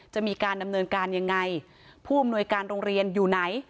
จะมีการดำเนินการยังไงผู้อำนวยการโรงเรียนอยู่ไหน